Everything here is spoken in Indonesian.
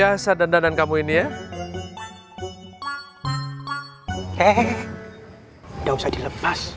apa namanya komunikasi dengan syekh farouk